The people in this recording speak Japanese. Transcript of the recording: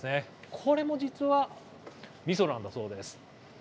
これも実はみそなんだそうです。